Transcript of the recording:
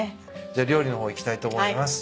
じゃ料理の方いきたいと思います。